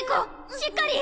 しっかり！